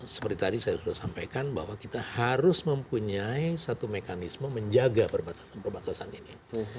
seperti tadi saya sudah sampaikan bahwa kita harus mempunyai satu mekanisme menjaga perbatasan perbatasan ini